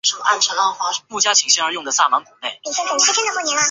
邓禹得以整顿军队。